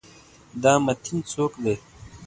دا متین څوک دی؟